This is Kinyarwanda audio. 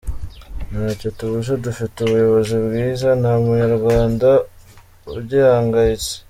Ntacyo tubuze dufite ubuyobozi bwiza, nta munyarwanda ugihangayitse.